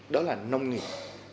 đó là nông nghiệp